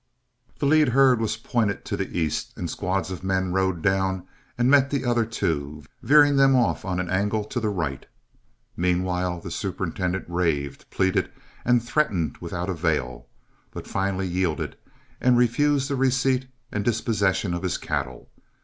The lead herd was pointed to the east, and squads of men rode down and met the other two, veering them off on an angle to the right. Meanwhile the superintendent raved, pleaded, and threatened without avail, but finally yielded and refused the receipt and dispossession of his cattle.